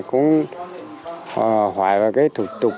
cũng hoài vào cái thủ tục